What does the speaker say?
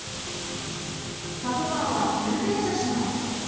パトカーは急停車します。